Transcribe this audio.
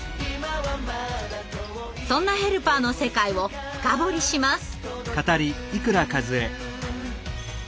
そんなヘルパーの世界を深掘りします。